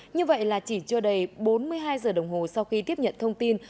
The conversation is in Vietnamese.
như vậy là chỉ chưa đầy bốn mươi hai giờ đồng hồ sau khi tiếp nhận thông tin